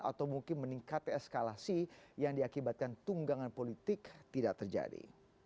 atau mungkin meningkat eskalasi yang diakibatkan tunggangan politik tidak terjadi